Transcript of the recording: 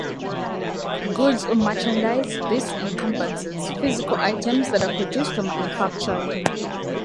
goods or merchandise - This encompasses physical items that are produced or manufactured.